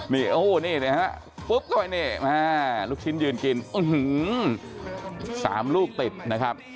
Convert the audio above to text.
นี่ครับลูกชิ้นยืนกินสามลูกติดนะครับ